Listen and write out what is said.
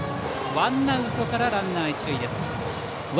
ワンアウトランナー、一塁です。